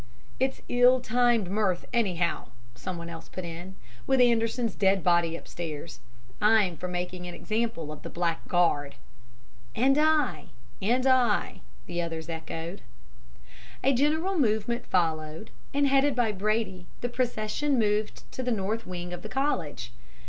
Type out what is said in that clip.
"'It's ill timed mirth, anyhow,' someone else put in, 'with Anderson's dead body upstairs. I'm for making an example of the blackguard.' "'And I,' 'And I,' the others echoed. "A general movement followed, and headed by Brady the procession moved to the north wing of the College.